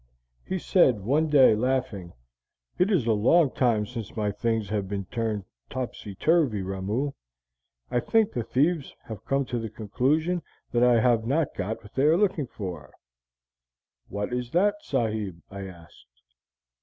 He said one day, laughing, 'It is a long time since my things have been turned topsy turvy, Ramoo. I think the thieves have come to the conclusion that I have not got what they are looking for.' 'What is that, sahib?' I asked.